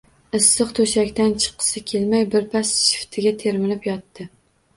Issiq to`shakdan chiqqisi kelmay, birpas shiftga termilib yotdi